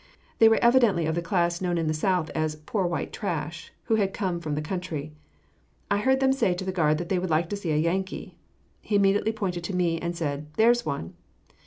They were evidently of the class known in the South as "poor white trash," who had come from the country. I heard them say to the guard that they would like to see a Yankee. He immediately pointed to me and said, "There's one."